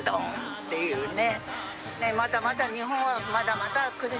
っていうね。